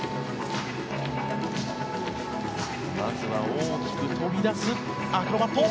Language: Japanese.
まずは大きく飛び出すアクロバット。